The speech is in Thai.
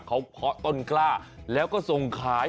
เขาเคาะต้นกล้าแล้วก็ส่งขาย